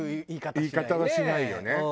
言い方はしないよね。